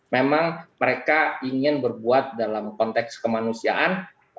memang mereka ingin berbuat dalam konteks kemanusiaan